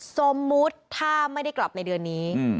สมมุติถ้าไม่ได้กลับในเดือนนี้